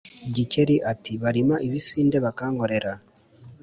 Gikeri ati barima ibisinde bakankorera